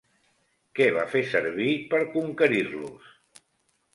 Què va fer servir per conquerir-los?